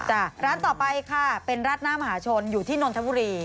จานต่อไปค่ะเป็นราชน้ำหมาชลอยู่ที่นทบุรี